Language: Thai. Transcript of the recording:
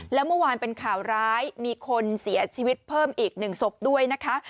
แล้วเมื่อวานเป็นข่าวร้ายมีคนเสียชีวิตเพิ่มอีก๑ศพด้วยนะคะ